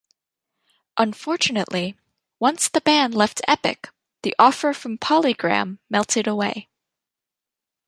Unfortunately, once the band left Epic, the offer from Polygram melted away.